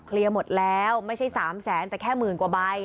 หมดแล้วไม่ใช่๓แสนแต่แค่หมื่นกว่าใบ